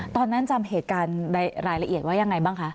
ตอนนั้นจำเหตุการณ์รายละเอียดว่ายังไงบ้างคะ